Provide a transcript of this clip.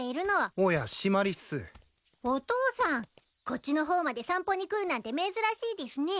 こっちの方まで散歩に来るなんて珍しいでぃすね。